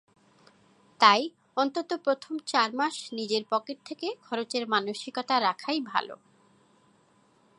তাই অন্তত প্রথম চার মাস নিজের পকেট থেকে খরচের মানসিকতা রাখাই ভালো।